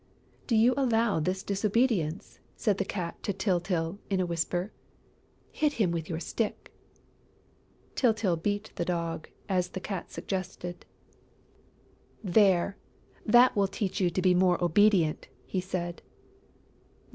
"Do you allow this disobedience?" said the Cat to Tyltyl, in a whisper. "Hit him with your stick." Tyltyl beat the Dog, as the Cat suggested: "There, that will teach you to be more obedient!" he said.